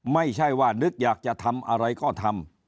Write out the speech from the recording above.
ไม่ใช่ว่านึกอยากจะทำอะไรก็ทำ